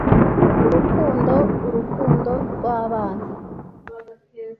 urukundo, urukundo rw'abana